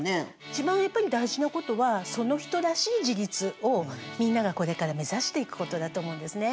一番やっぱり大事なことはその人らしい自立をみんながこれから目指していくことだと思うんですね。